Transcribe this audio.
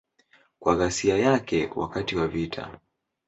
Kwa ghasia yake wakati wa vita.